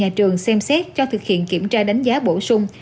nhà trường xem xét cho thực hiện kiểm tra đánh giá bổ sung